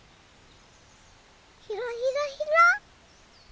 ひらひらひら。